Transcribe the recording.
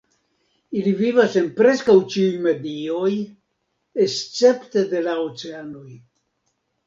Ili vivas en preskaŭ ĉiuj medioj, escepte de la oceanoj.